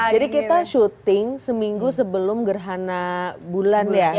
jadi kita syuting seminggu sebelum gerhana bulan ya